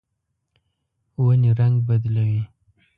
ونې رڼګ بدلوي